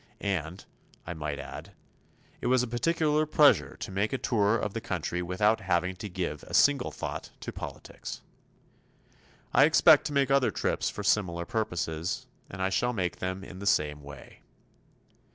And I might add it was a particular pleasure to make a tour of the country without having to give a single thought to politics. I expect to make other trips for similar purposes, and I shall make them in the same way.